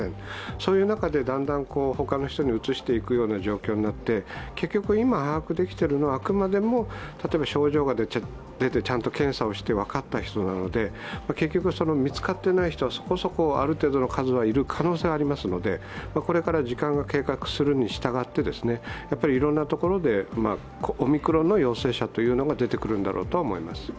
そういう中でだんだん他の人にうつしていくような状況になって結局今把握できているのはあくまでも症状が出て、ちゃんと検査をして分かった人なので、結局見つかっていない人はそこそこある程度の数はいる可能性はありますので、これから時間が経過するにしたがってやっぱりいろんなところでオミクロンの陽性者が出てくるのだと思います。